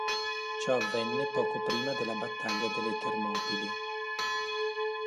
Ciò avvenne poco prima della battaglia delle Termopili.